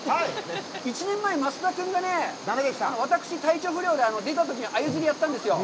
１年前、増田君がね、私、体調不良で出たときにアユ釣りをやったんですよ。